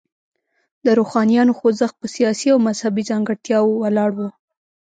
د روښانیانو خوځښت په سیاسي او مذهبي ځانګړتیاوو ولاړ و.